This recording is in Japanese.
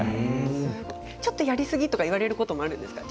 ちょっとやりすぎって言われることもあるんですか？